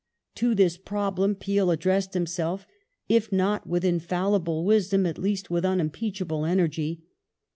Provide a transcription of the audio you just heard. To this problem Peel addressed himself, if not with infallible wisdom, at least with unimpeachable energy.